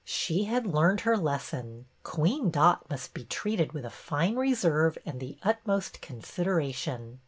She had learned her lesson. Queen Dot must be treated with a fine reserve and the utmost consideration.